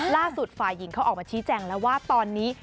ฝ่ายหญิงเขาออกมาชี้แจงแล้วว่าตอนนี้